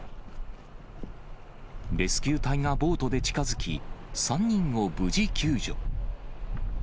レスキュー隊がボートで近づき、３人を無事救助。